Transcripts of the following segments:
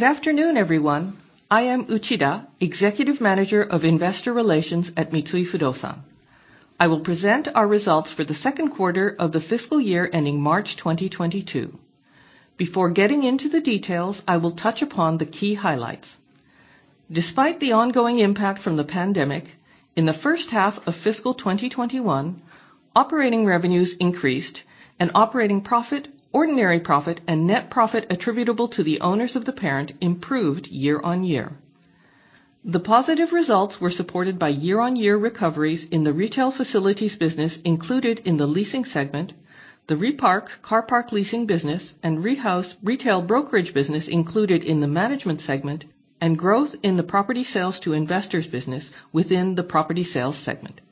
Good afternoon, everyone. I am Uchida, Executive Manager of Investor Relations at Mitsui Fudosan. I will present our results for the second quarter of the fiscal year ending March 2022. Before getting into the details, I will touch upon the key highlights. Despite the ongoing impact from the pandemic, in the first half of fiscal 2021, operating revenues increased and operating profit, ordinary profit, and net profit attributable to the owners of the parent improved year-over-year. The positive results were supported by year-over-year recoveries in the retail facilities business included in the Leasing segment, the Repark car park Leasing business, and Rehouse Retail Brokerage business included in the Management segment, and growth in the property sales to Investors business within the Property Sales segment.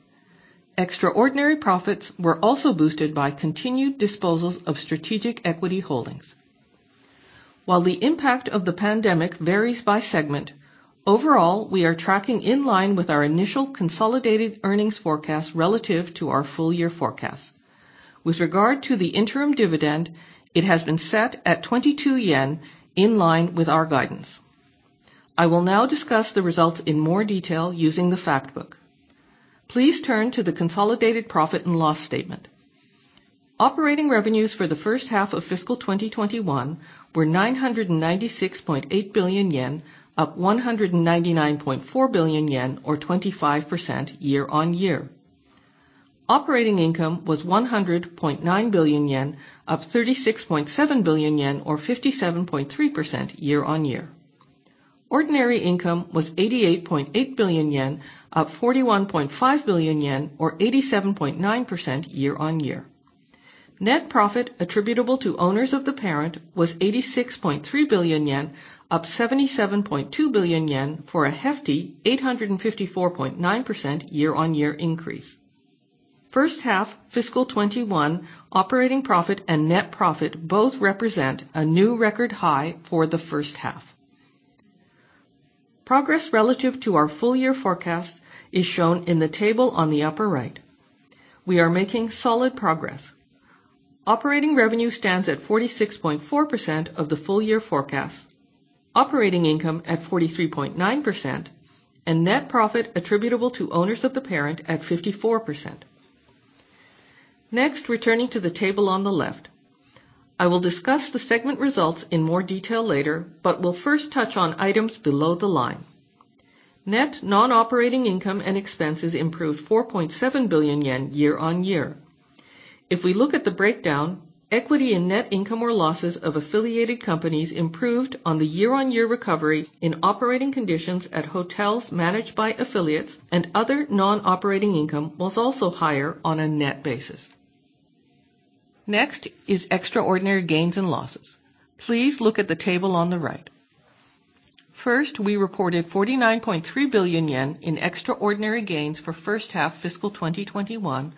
Extraordinary profits were also boosted by continued disposals of strategic equity holdings. While the impact of the pandemic varies by segment, overall, we are tracking in line with our initial consolidated earnings forecast relative to our full-year forecast. With regard to the interim dividend, it has been set at 22 yen, in line with our guidance. I will now discuss the results in more detail using the fact book. Please turn to the consolidated profit and loss statement. Operating revenues for the first half of Fiscal 2021 were 996.8 billion yen, up 199.4 billion yen, or 25% year-on-year. Operating income was 100.9 billion yen, up 36.7 billion yen, or 57.3% year-on-year. Ordinary income was 88.8 billion yen, up 41.5 billion yen, or 87.9% year-on-year. Net profit attributable to owners of the parent was 86.3 billion yen, up 77.2 billion yen for a hefty 854.9% year-on-year increase. First half FY 2021 operating profit and net profit both represent a new record high for the first half. Progress relative to our full-year forecast is shown in the table on the upper right. We are making solid progress. Operating revenue stands at 46.4% of the full-year forecast, operating income at 43.9%, and net profit attributable to owners of the parent at 54%. Next, returning to the table on the left. I will discuss the segment results in more detail later, but will first touch on items below the line. Net non-operating income and expenses improved 4.7 billion yen year-on-year. If we look at the breakdown, equity and net income or losses of affiliated companies improved on the year-on-year recovery in operating conditions at hotels managed by affiliates, and other non-operating income was also higher on a net basis. Next is extraordinary gains and losses. Please look at the table on the right. First, we reported 49.3 billion yen in extraordinary gains for first half fiscal 2021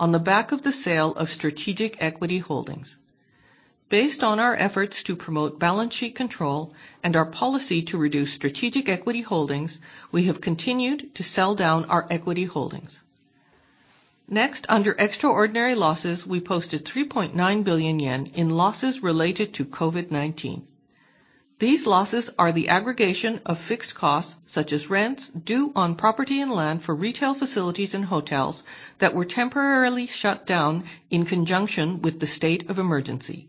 on the back of the sale of strategic equity holdings. Based on our efforts to promote balance sheet control and our policy to reduce strategic equity holdings, we have continued to sell down our equity holdings. Next, under extraordinary losses, we posted 3.9 billion yen in losses related to COVID-19. These losses are the aggregation of fixed costs, such as rents due on property and land for retail facilities and hotels that were temporarily shut down in conjunction with the state of emergency.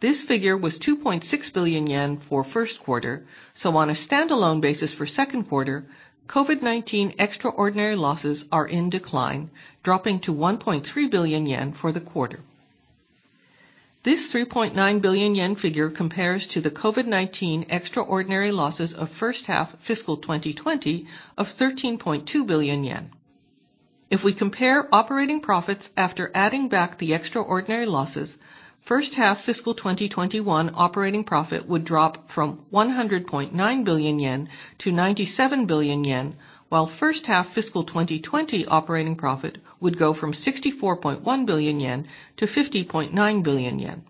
This figure was 2.6 billion yen for first quarter, so on a standalone basis for second quarter, COVID-19 extraordinary losses are in decline, dropping to 1.3 billion yen for the quarter. This 3.9 billion yen figure compares to the COVID-19 extraordinary losses of first half fiscal 2020 of 13.2 billion yen. If we compare operating profits after adding back the extraordinary losses, first half fiscal 2021 operating profit would drop from 100.9 billion yen to 97 billion yen, while first half fiscal 2020 operating profit would go from 64.1 billion yen to 50.9 billion yen.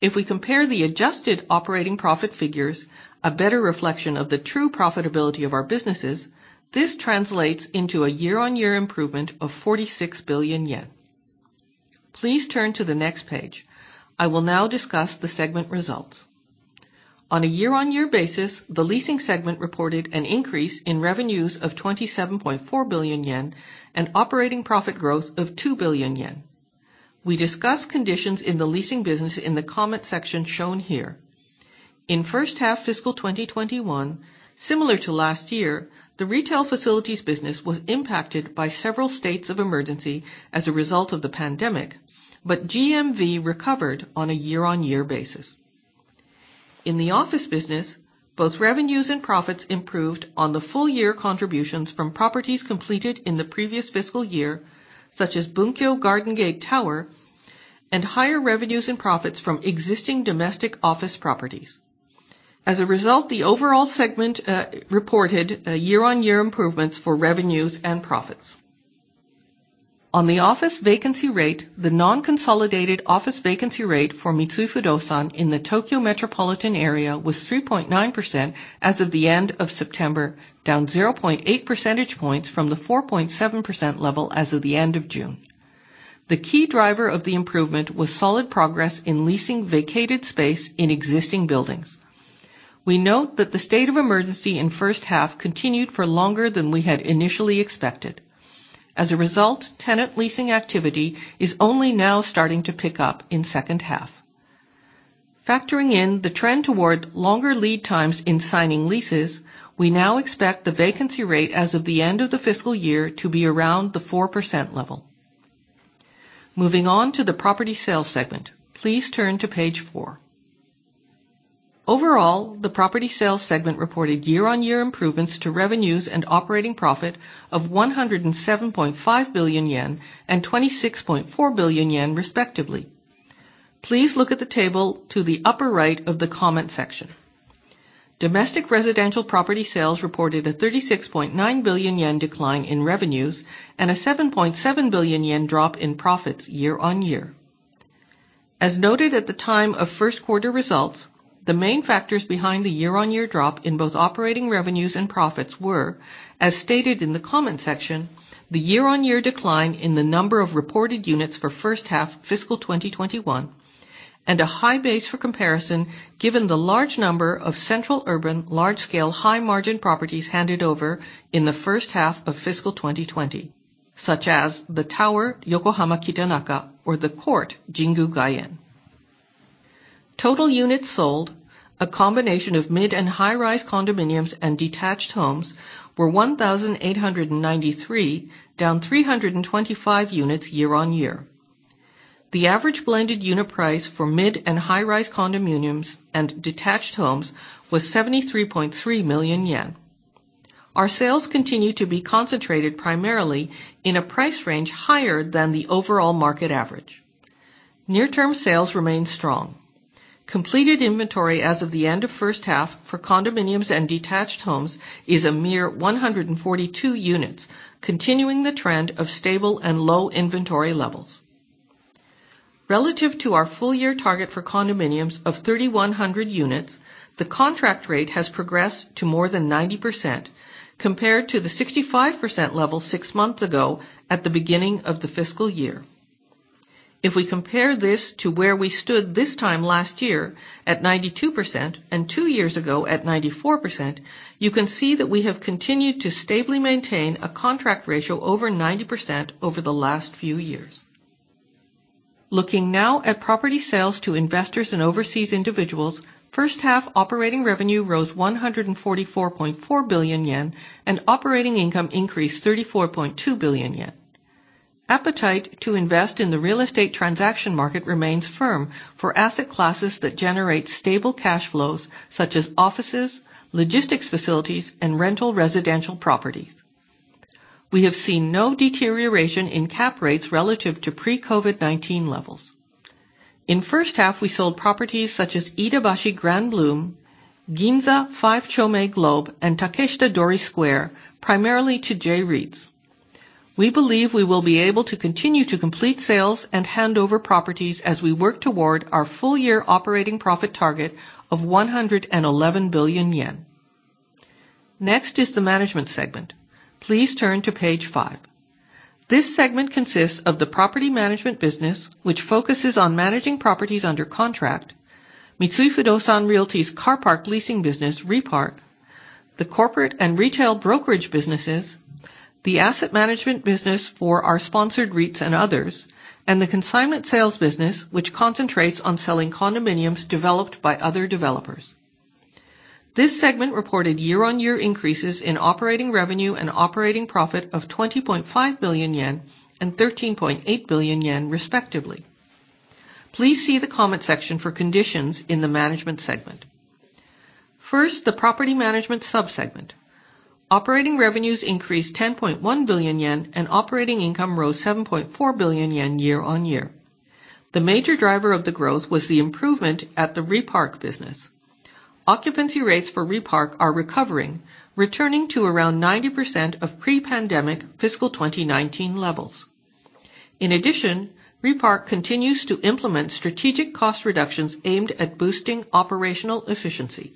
If we compare the adjusted operating profit figures, a better reflection of the true profitability of our businesses, this translates into a year-on-year improvement of 46 billion yen. Please turn to the next page. I will now discuss the segment results. On a year-on-year basis, the Leasing segment reported an increase in revenues of 27.4 billion yen and operating profit growth of 2 billion yen. We discuss conditions in the Leasing business in the comment section shown here. In first half Fiscal 2021, similar to last year, the retail facilities business was impacted by several states of emergency as a result of the pandemic, but GMV recovered on a year-on-year basis. In the Office business, both revenues and profits improved on the full-year contributions from properties completed in the previous fiscal year, such as Bunkyo Garden Gate Tower, and higher revenues and profits from existing domestic office properties. As a result, the overall segment reported year-on-year improvements for revenues and profits. On the Office vacancy rate, the non-consolidated office vacancy rate for Mitsui Fudosan in the Tokyo metropolitan area was 3.9% as of the end of September, down 0.8% points from the 4.7% level as of the end of June. The key driver of the improvement was solid progress in leasing vacated space in existing buildings. We note that the state of emergency in first half continued for longer than we had initially expected. As a result, tenant leasing activity is only now starting to pick up in second half. Factoring in the trend toward longer lead times in signing leases, we now expect the vacancy rate as of the end of the fiscal year to be around the 4% level. Moving on to the Property Sales segment, please turn to Page 4. Overall, the Property Sales segment reported year-on-year improvements to revenues and operating profit of 107.5 billion yen and 26.4 billion yen, respectively. Please look at the table to the upper right of the comment section. Domestic residential property sales reported a 36.9 billion yen decline in revenues and a 7.7 billion yen drop in profits year-on-year. As noted at the time of first quarter results, the main factors behind the year-on-year drop in both operating revenues and profits were, as stated in the comment section, the year-on-year decline in the number of reported units for first half Fiscal 2021, and a high base for comparison, given the large number of central urban large-scale high margin properties handed over in the first half of Fiscal 2020, such as THE TOWER YOKOHAMA KITANAKA or THE COURT Jingu Gaien. Total units sold, a combination of mid and high-rise condominiums and detached homes were 1,893, down 325 units year-on-year. The average blended unit price for mid and high-rise condominiums and detached homes was 73.3 million yen. Our sales continue to be concentrated primarily in a price range higher than the overall market average. Near term sales remain strong. Completed inventory as of the end of first half for condominiums and detached homes is a mere 142 units, continuing the trend of stable and low inventory levels. Relative to our full-year target for condominiums of 3,100 units, the contract rate has progressed to more than 90% compared to the 65% level six months ago at the beginning of the fiscal year. If we compare this to where we stood this time last year at 92% and two years ago at 94%, you can see that we have continued to stably maintain a contract ratio over 90% over the last few years. Looking now at Property Sales to investors and overseas individuals, first half operating revenue rose 144.4 billion yen and operating income increased 34.2 billion yen. Appetite to invest in the real estate transaction market remains firm for asset classes that generate stable cash flows such as offices, logistics facilities and rental residential properties. We have seen no deterioration in cap rates relative to pre-COVID-19 levels. In the first half, we sold properties such as Iidabashi Grand Bloom, Ginza 5-Chome GLOBE and Takeshita-dori Square, primarily to J-REITs. We believe we will be able to continue to complete sales and hand over properties as we work toward our full year operating profit target of 111 billion yen. Next is the Management segment. Please turn to Page 5. This segment consists of the Property Management business, which focuses on managing properties under contract. Mitsui Fudosan Realty's car park leasing business Repark, the Corporate and Retail Brokerage businesses, the Asset Management business for our sponsored J-REITs and others, and the Consignment Sales business, which concentrates on selling condominiums developed by other developers. This segment reported year-on-year increases in operating revenue and operating profit of 20.5 billion yen and 13.8 billion yen, respectively. Please see the comment section for conditions in the Management segment. First, the Property Management sub-segment. Operating revenues increased 10.1 billion yen and operating income rose 7.4 billion yen year-on-year. The major driver of the growth was the improvement at the Repark business. Occupancy rates for Repark are recovering, returning to around 90% of pre-pandemic Fiscal 2019 levels. In addition, Repark continues to implement strategic cost reductions aimed at boosting operational efficiency.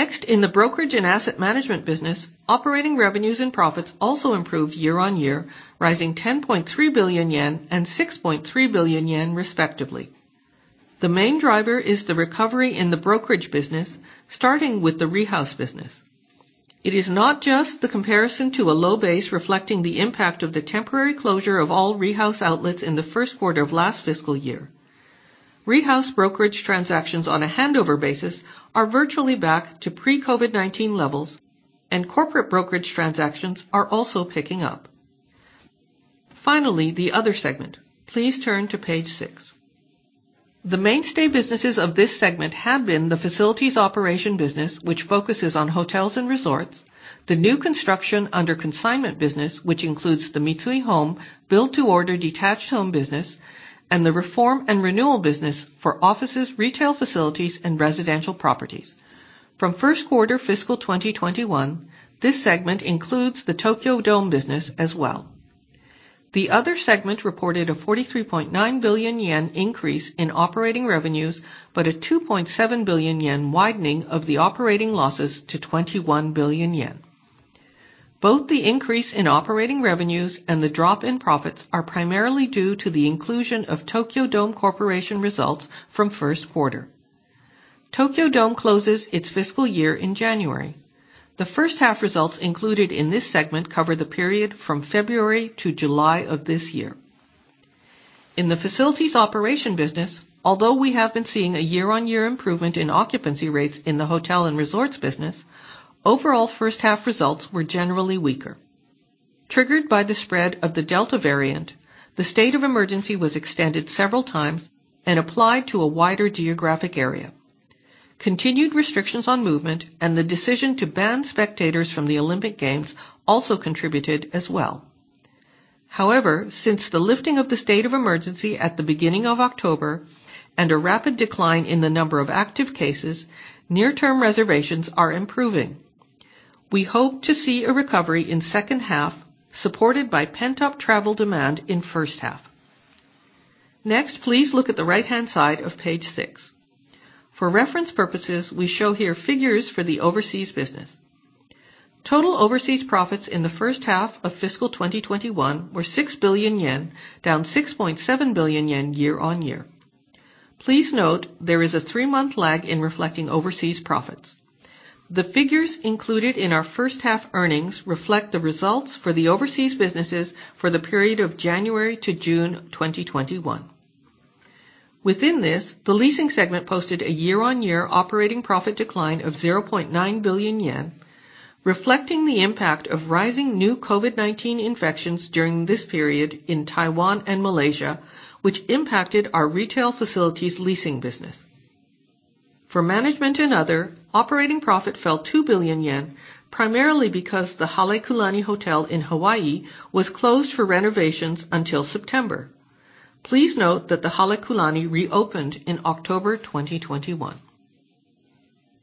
Next, in the Brokerage and Asset Management business, operating revenues and profits also improved year-on-year, rising 10.3 billion yen and 6.3 billion yen, respectively. The main driver is the recovery in the Brokerage business, starting with the Rehouse business. It is not just the comparison to a low base, reflecting the impact of the temporary closure of all Rehouse outlets in the first quarter of last fiscal year. Rehouse brokerage transactions on a handover basis are virtually back to pre-COVID-19 levels, and corporate brokerage transactions are also picking up. Finally, the other segment. Please turn to Page 6. The mainstay businesses of this segment have been the facilities Operation business, which focuses on hotels and resorts. The new construction under Consignment business, which includes the Mitsui Home build-to-order detached home business and the Reform and Renewal business for offices, retail facilities and residential properties. From first quarter Fiscal 2021, this segment includes the Tokyo Dome business as well. The other segment reported a 43.9 billion yen increase in operating revenues, but a 2.7 billion yen widening of the operating losses to 21 billion yen. Both the increase in operating revenues and the drop in profits are primarily due to the inclusion of Tokyo Dome Corporation results from first quarter. Tokyo Dome closes its fiscal year in January. The first half results included in this segment cover the period from February to July of this year. In the facilities operation business, although we have been seeing a year-on-year improvement in occupancy rates in the Hotel and Resorts business, overall first half results were generally weaker. Triggered by the spread of the Delta variant, the state of emergency was extended several times and applied to a wider geographic area. Continued restrictions on movement and the decision to ban spectators from the Olympic Games also contributed as well. However, since the lifting of the state of emergency at the beginning of October, and a rapid decline in the number of active cases, near-term reservations are improving. We hope to see a recovery in second half supported by pent-up travel demand in first half. Next, please look at the right-hand side of Page 6. For reference purposes, we show here figures for the Overseas business. Total overseas profits in the first half of Fiscal 2021 were 6 billion yen, down 6.7 billion yen year-on-year. Please note there is a three month lag in reflecting overseas profits. The figures included in our first half earnings reflect the results for the overseas businesses for the period of January to June 2021. Within this, the Leasing segment posted a year-on-year operating profit decline of 0.9 billion yen, reflecting the impact of rising new COVID-19 infections during this period in Taiwan and Malaysia, which impacted our Retail facilities leasing business. For management and other, operating profit fell 2 billion yen, primarily because the Halekulani Hotel in Hawaii was closed for renovations until September. Please note that the Halekulani reopened in October 2021.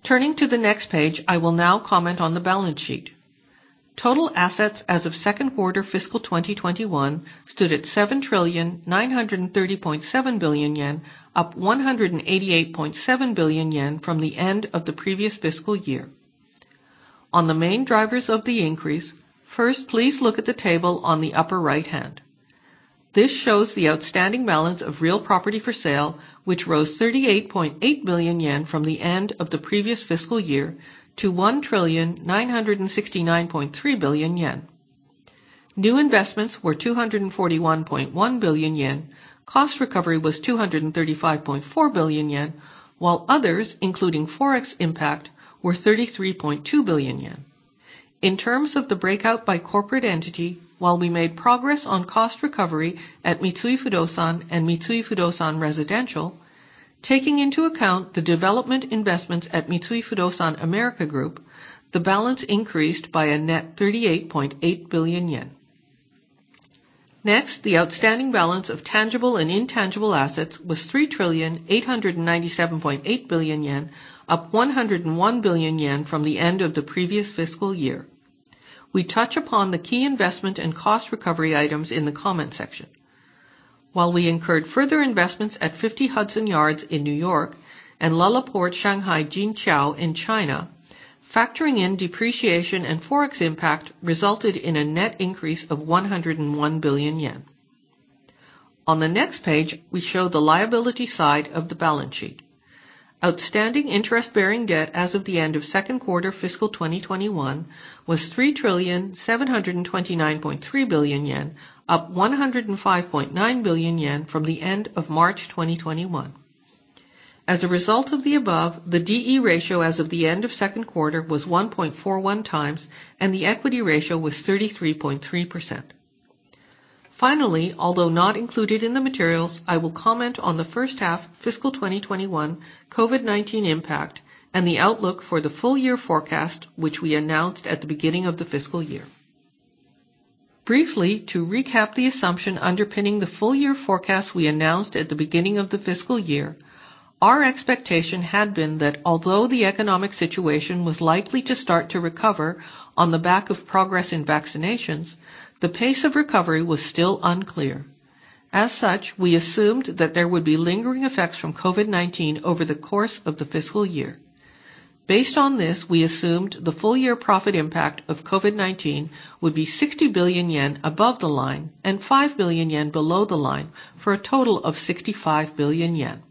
Turning to the next page, I will now comment on the balance sheet. Total assets as of second quarter fiscal 2021 stood at 7,930.7 billion yen, up 188.7 billion yen from the end of the previous fiscal year. On the main drivers of the increase, first, please look at the table on the upper right hand. This shows the outstanding balance of real property for sale, which rose 38.8 billion yen from the end of the previous fiscal year to 1,969.3 billion yen. New investments were 241.1 billion yen. Cost recovery was 235.4 billion yen, while others, including Forex impact, were 33.2 billion yen. In terms of the breakout by corporate entity, while we made progress on cost recovery at Mitsui Fudosan and Mitsui Fudosan Residential, taking into account the development investments at Mitsui Fudosan America Group, the balance increased by a net 38.8 billion yen. Next, the outstanding balance of tangible and intangible assets was 3,897.8 billion yen, up 101 billion yen from the end of the previous fiscal year. We touch upon the key investment and cost recovery items in the comment section. While we incurred further investments at 50 Hudson Yards in New York and LaLaport SHANGHAI JINQIAO in China, factoring in depreciation and Forex impact resulted in a net increase of 101 billion yen. On the next page, we show the liability side of the balance sheet. Outstanding interest-bearing debt as of the end of second quarter fiscal 2021 was 3,729.3 billion yen, up 105.9 billion yen from the end of March 2021. As a result of the above, the D/E ratio as of the end of second quarter was 1.41x and the equity ratio was 33.3%. Finally, although not included in the materials, I will comment on the first half Fiscal 2021 COVID-19 impact and the outlook for the full-year forecast, which we announced at the beginning of the fiscal year. Briefly to recap the assumption underpinning the full-year forecast we announced at the beginning of the fiscal year, our expectation had been that although the economic situation was likely to start to recover on the back of progress in vaccinations, the pace of recovery was still unclear. As such, we assumed that there would be lingering effects from COVID-19 over the course of the fiscal year. Based on this, we assumed the full year profit impact of COVID-19 would be 60 billion yen above the line and 5 billion yen below the line, for a total of 65 billion yen.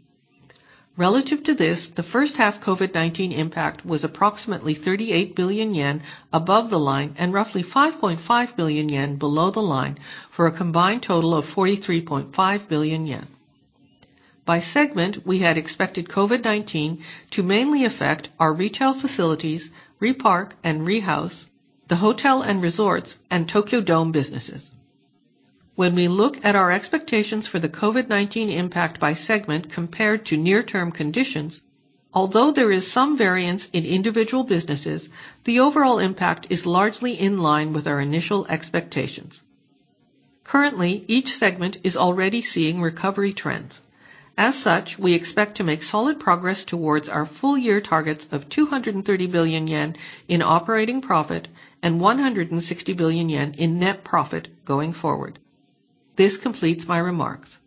Relative to this, the first half COVID-19 impact was approximately 38 billion yen above the line and roughly 5.5 billion yen below the line, for a combined total of 43.5 billion yen. By segment, we had expected COVID-19 to mainly affect our retail facilities, Repark and Rehouse, the Hotel and Resorts, and Tokyo Dome businesses. When we look at our expectations for the COVID-19 impact by segment compared to near-term conditions, although there is some variance in individual businesses, the overall impact is largely in line with our initial expectations. Currently, each segment is already seeing recovery trends. As such, we expect to make solid progress towards our full-year targets of 230 billion yen in operating profit and 160 billion yen in net profit going forward. This completes my remarks.